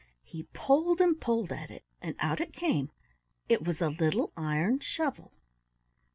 He pulled and pulled at it, and out it came; it was a little iron shovel.